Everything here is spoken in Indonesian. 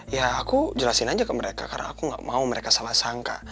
ya aku jelasin aja ke mereka karena aku gak mau mereka salah sangka